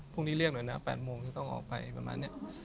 พรุ่งนี้เรียกหน่อยนะ๘โมงต้องออกไปประมาณเนี่ย